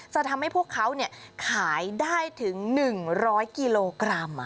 จะทำให้พวกเขาขายได้ถึง๑๐๐กิโลกรัม